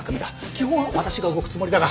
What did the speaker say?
基本は私が動くつもりだが。